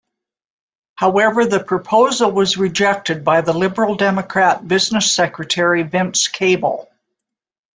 However, the proposal was rejected by the Liberal Democrat Business Secretary Vince Cable.